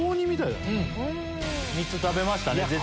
３つ食べましたね